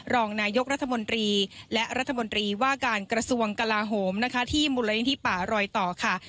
รองนายกรัฐมนตรีและรัฐมนตรีว่าการกระทรวงกลาโหมนะคะที่มูลนิธิป่ารอยต่อค่ะ